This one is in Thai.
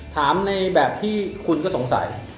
ถามในแบบที่คุณก็สงสัย